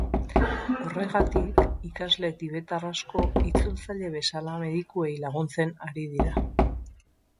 Horregatik, ikasle tibetar asko itzultzaile bezala medikuei laguntzen ari dira.